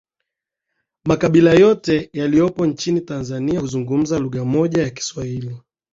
makabila yote yaliyopo nchini Tanzania huzungumza lugha moja ya kiswahili